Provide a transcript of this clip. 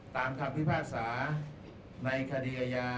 ตามคำพิพากษาในคดีอาญา